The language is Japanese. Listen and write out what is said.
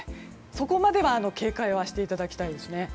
そこまでは警戒はしていただきたいですね。